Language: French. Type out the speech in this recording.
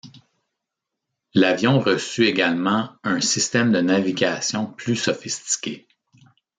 L'avion reçut également un système de navigation plus sophistiqué.